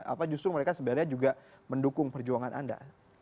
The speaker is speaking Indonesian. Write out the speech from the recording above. apa justru mereka sebenarnya juga mendukung perjuangan anda